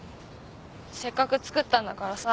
せっかく作ったんだからさ。